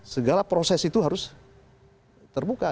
segala proses itu harus terbuka